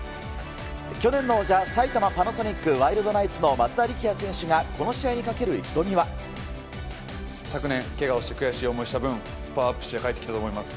去年の王者、埼玉パナソニックワイルドナイツの松田力也選手が、昨年、けがをして、悔しい思いをした分、パワーアップして帰ってきたと思います。